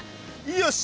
よし！